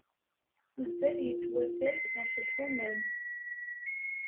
Uzzal yettwatay ɣef lḥuman.